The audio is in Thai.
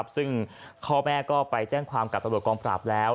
ซึ่งพ่อแม่ก็ไปแจ้งความกับตำรวจกองปราบแล้ว